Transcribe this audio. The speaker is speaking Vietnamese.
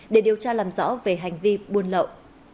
để điều tra làm rõ về hành vi buôn lậu